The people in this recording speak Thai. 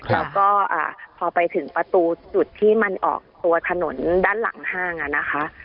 แล้วก็พอไปถึงประตูจุดที่มันออกตัวถนนด้านหลังห้างนะคะ